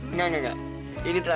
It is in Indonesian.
enggak enggak enggak